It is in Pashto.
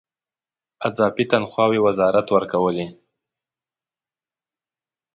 اضافي تنخواوې وزارت ورکولې.